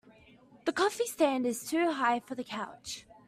The coffee stand is too high for the couch.